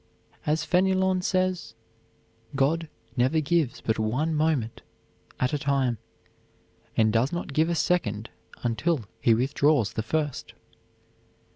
As Fenelon says, God never gives but one moment at a time, and does not give a second until he withdraws the first.